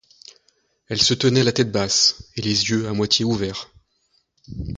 Elle se tenait la tête basse et les yeux à moitié ouverts.